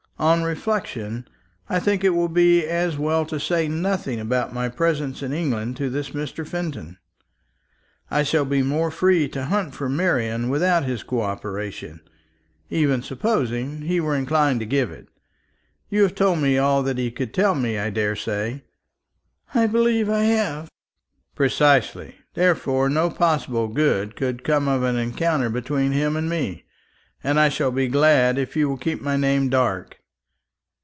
"On reflection, I think it will be as well to say nothing about my presence in England to this Mr. Fenton. I shall be more free to hunt for Marian without his co operation, even supposing he were inclined to give it. You have told me all that he could tell me, I daresay." "I believe I have." "Precisely. Therefore no possible good could come of an encounter between him and me, and I shall be glad if you will keep my name dark."